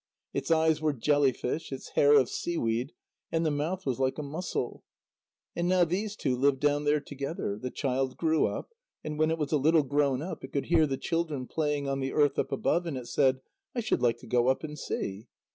Its eyes were jellyfish, its hair of seaweed, and the mouth was like a mussel. And now these two lived down there together. The child grew up, and when it was a little grown up, it could hear the children playing on the earth up above, and it said: "I should like to go up and see."